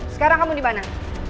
sekarang kamu di mana